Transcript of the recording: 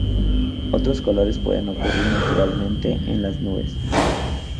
Otros colores pueden ocurrir naturalmente en las nubes.